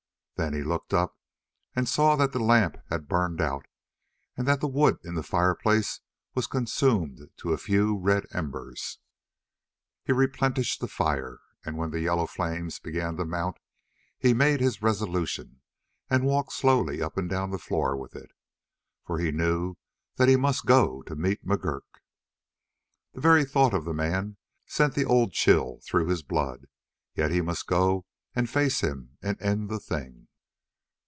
Then he looked up and saw that the lamp had burned out and that the wood in the fireplace was consumed to a few red embers. He replenished the fire, and when the yellow flames began to mount he made his resolution and walked slowly up and down the floor with it. For he knew that he must go to meet McGurk. The very thought of the man sent the old chill through his blood, yet he must go and face him and end the thing.